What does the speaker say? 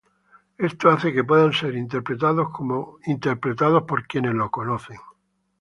Esto hace que puedan ser interpretados por quienes los conocen.